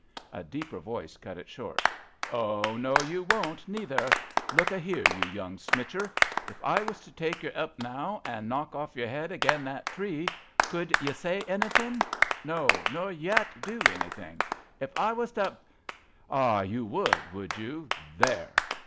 A deeper voice cut it short :'' Oh, no, you won't, neither! Look a here, you young smitcher. If I was to take yer up now, and knock off your 'ead again' that tree, could ye say anythin'J No, nor yet do anythin '. If I was to Ah I you would, would you? There!"